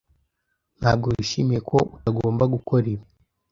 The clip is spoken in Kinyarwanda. Ntabwo wishimiye ko utagomba gukora ibi?